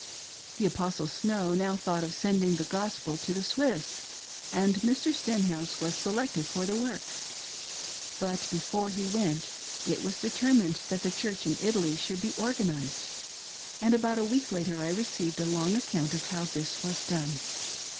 The Apostle Snow now thought of sending the Gospel to the Swiss, and Mr. Stenhouse was selected for the work. But before he went it was determined that the Church in Italy should be " organised," and about a week later, I received a long account of how this was done.